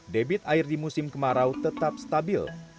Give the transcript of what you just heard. debit air di musim kemarau tetap stabil